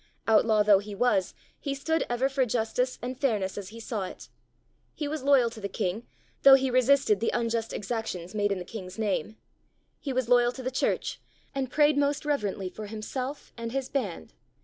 Outlaw though he was, he stood ever for justice and fairness as he saw it. He was loyal to the king, though he resisted the unjust exactions made in the king's name. He was loyal to the church and prayed most reverently for himself and his band.